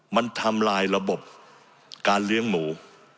มันทำลายระบบการเลี้ยงหมู